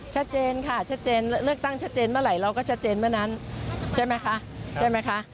ชัดเจนค่ะชัดเจนเลือกตั้งชัดเจนเมื่อไหร่เราก็ชัดเจนเมื่อนั้นใช่ไหมคะใช่ไหมคะ